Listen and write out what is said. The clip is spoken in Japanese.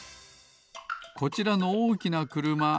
こちらのおおきなくるま。